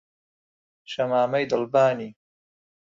شەمامەی دڵبانی